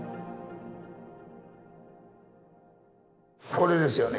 これですよね